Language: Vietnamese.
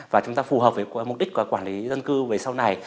và chúng ta phù hợp với mục đích của quản lý dân cư về sau này